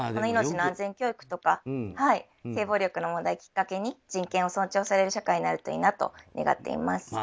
生命の安全教育とか性暴力の問題をきっかけに人権を尊重される社会になるといいなと願っています。